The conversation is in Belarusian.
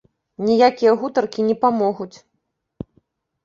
Ніякія гутаркі не памогуць.